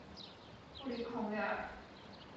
布里孔维尔。